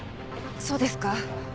そうですか。